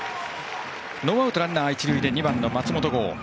ノーアウトランナー、一塁で２番、松本剛。